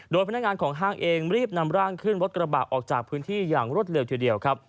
โดยพนักงานของห้างเองรีบนำร่างขึ้นรถกระบะออกจากพื้นที่อย่างรวดเร็วทีเดียวครับ